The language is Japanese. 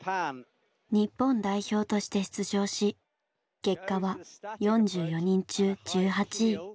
日本代表として出場し結果は４４人中１８位。